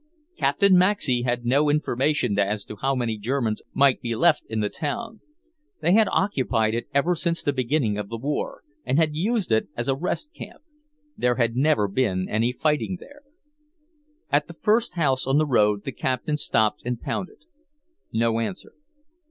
Captain Maxey had no information as to how many Germans might be left in the town. They had occupied it ever since the beginning of the war, and had used it as a rest camp. There had never been any fighting there. At the first house on the road, the Captain stopped and pounded. No answer.